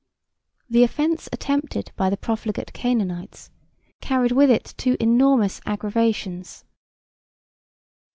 The offence attempted by the profligate Canaanites carried with it two enormous aggravations: 1.